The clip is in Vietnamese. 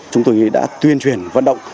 chúng tôi đã tuyên truyền vận động